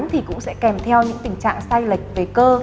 thì cũng sẽ kèm theo những tình trạng sai lệch về cơ